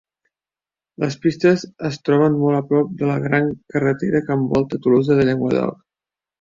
Les pistes es troben molt a prop de la gran carretera que envolta Tolosa de Llenguadoc.